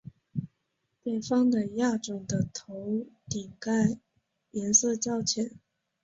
北方的亚种的头顶盖颜色较浅。